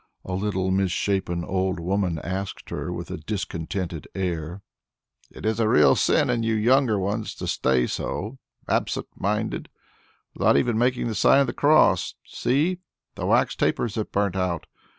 a little misshapen old woman asked her with a discontented air. "It is a real sin in you younger ones to stay so, absent minded, without even making the sign of the cross. See! the wax tapers have burnt out.